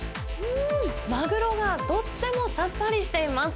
マグロがとってもさっぱりしています。